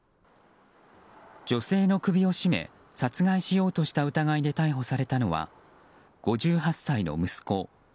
女性の首を絞め殺害しようとした疑いで逮捕されたのは５８歳の息子